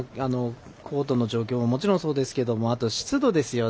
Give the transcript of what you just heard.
コートの状況ももちろんそうですけどあと、湿度ですよね。